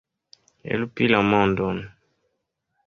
Helpi la mondon.